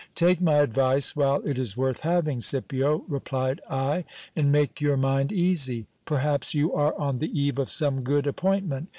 Take my advice while it is worth having, Scipio, replied I, and make your mind easy : perhaps you are on the eve of some good appointment.